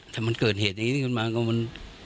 ถ้ามันเกิดเหตุอย่างนี้ขึ้นมาก็มัน